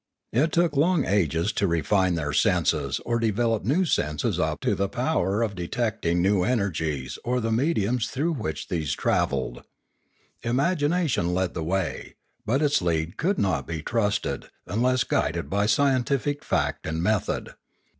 It took long ages to refine their senses or develop new senses up to the power of detecting new energies or the mediums through which these travelled. Imagination led the way; but its lead could not be trusted unless guided by scientific fact and method.